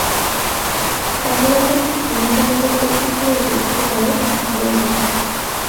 কমলা যে একটা শূন্যতা অনুভব করিতেছিল এই বৃদ্ধকে পাইয়া তাহা ভুলিয়া গেল।